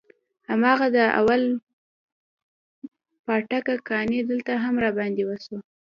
هماغه د اول پاټک کانې دلته هم راباندې وسوې.